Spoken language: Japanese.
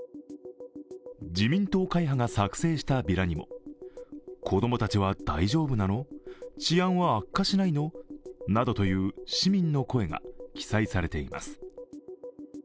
自民党会派が作成したビラにも「こどもたちは大丈夫なの」「治安は悪化しないの」などの市民の声が記載されています。